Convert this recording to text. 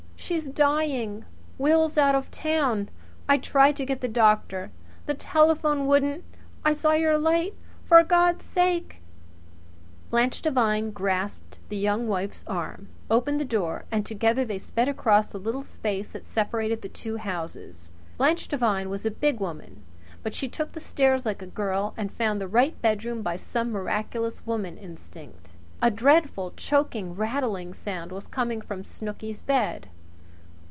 She's dying! Will's out of town. I tried to get the doctor. The telephone wouldn't I saw your light! For God's sake " Blanche Devine grasped the Young Wife's arm, opened the door, and together they sped across the little space that separated the two houses. Blanche Devine was a big woman, but she took the stairs like a girl and found the right bedroom by some miraculous woman instinct. A dreadful choking, rattling sound was coming from Snooky's bed.